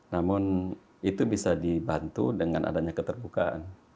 namun itu bisa dibantu dengan adanya keterbukaan